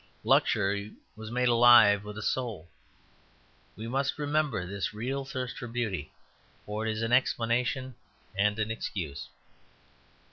Luxury was made alive with a soul. We must remember this real thirst for beauty; for it is an explanation and an excuse.